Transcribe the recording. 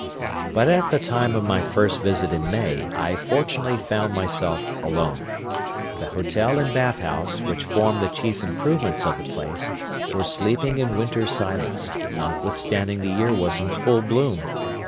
But at the time of my first visit in May, I fortunately found myself alone. The hotel and bathhouse, which form the chief improvements of the place, were sleeping in winter silence, notwithstanding the year was in full bloom.